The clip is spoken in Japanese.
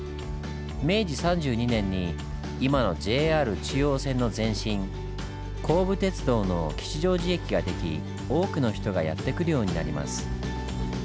明治３２年に今のＪＲ中央線の前身甲武鉄道の吉祥寺駅が出来多くの人がやって来るようになります。